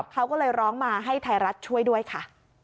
เขาก็เลยร้องมาให้ไทยรัฐช่วยด้วยค่ะ